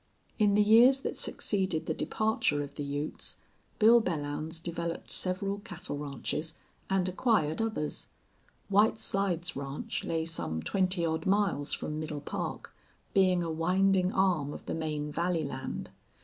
In the years that succeeded the departure of the Utes Bill Belllounds developed several cattle ranches and acquired others. White Slides Ranch lay some twenty odd miles from Middle Park, being a winding arm of the main valley land.